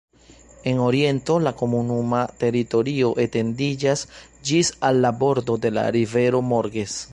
En oriento la komunuma teritorio etendiĝas ĝis al la bordo de la rivero Morges.